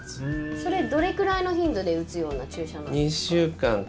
それはどれくらいの頻度で打つような注射なんですか？